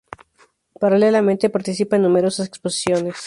Paralelamente participa en numerosas exposiciones.